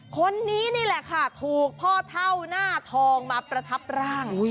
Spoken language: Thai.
คนนี้นี่แหละค่ะถูกพ่อเท่าหน้าทองมาประทับร่าง